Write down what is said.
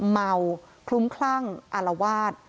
เมาคลุ้มคลั่งอารวาส